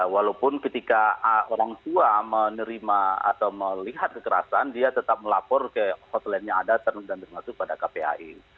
walaupun ketika orangtua menerima atau melihat kekerasan dia tetap melapor ke hotline nya ada dan termasuk kpai